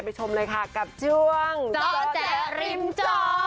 ไปชมเลยค่ะกับช่วงจแจริมจ